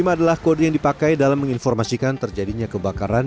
kode enam puluh lima adalah kode yang dipakai dalam menginformasikan terjadinya kebakaran